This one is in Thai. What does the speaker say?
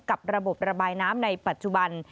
กับระบบระบายน้ำในปัจจุบัน